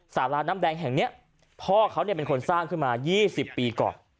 สาราน้ำแดงแห่งนี้พ่อเขาเป็นคนสร้างขึ้นมา๒๐ปีก่อน